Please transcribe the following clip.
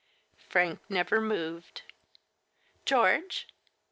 Frank never mt>ved. "George!"